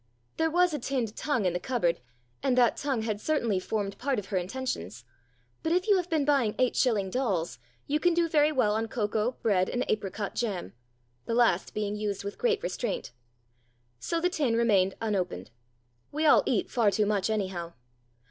There was a tinned tongue in the cupboard, and that tongue had certainly formed part of her intentions ; but if you have been buying eight shilling dolls, you can do very well on cocoa, bread, and apricot jam the last being used with great restraint. So the tin remained unopened. We all eat far too much, anyhow.